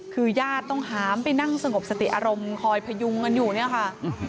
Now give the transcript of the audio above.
คือญาติต้องหามไปนั่งสงบสติอารมณ์คอยพยุงกันอยู่เนี่ยค่ะ